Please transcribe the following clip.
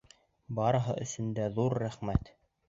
Барыһы өсөн дә ҙур рәхмәт!